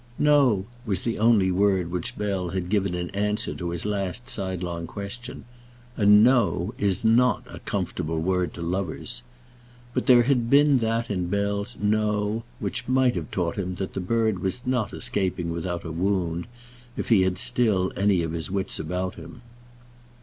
"No" was the only word which Bell had given in answer to his last sidelong question, and No is not a comfortable word to lovers. But there had been that in Bell's No which might have taught him that the bird was not escaping without a wound, if he had still had any of his wits about him.